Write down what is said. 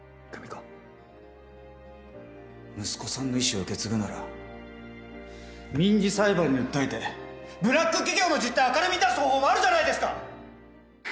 息子さんの遺志を受け継ぐなら民事裁判に訴えてブラック企業の実態を明るみに出す方法もあるじゃないですか！